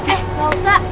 eh gak usah